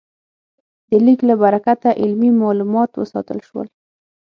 د لیک له برکته علمي مالومات وساتل شول.